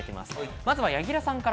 まずは柳楽さんから。